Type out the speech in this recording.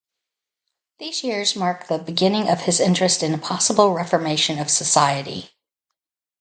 These years mark the beginning of his interest in a possible reformation of society.